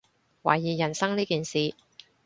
懷疑人生呢件事